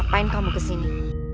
ngapain kamu kesini